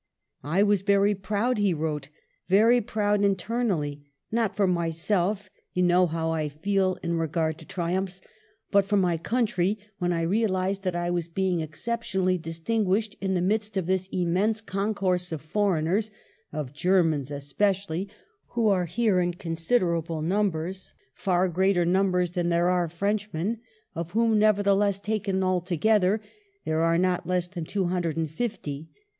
''I was very proud," he wrote, "very proud internally, not for myself — you know how I feel 136 THE SOVEREIGNTY OF GENIUS 137 in regard to triumphs — but for my country, when I realised that I was being exceptionally distinguished in the midst of this immense con course of foreigners, of Germans especially, who are here in considerable numbers, far greater numbers than there are Frenchmen, of whom nevertheless, taken altogether, there are not less than two hundred and fifty.